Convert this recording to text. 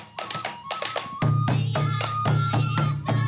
สวัสดีครับ